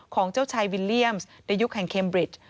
ของเจ้าชายวิลเลี่ยมส์ในยุคแห่งเคมบริด